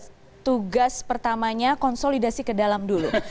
dia yang tugas pertamanya konsolidasi ke dalam dulu